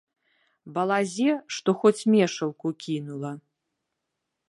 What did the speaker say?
Балазе што хоць мешалку кінула.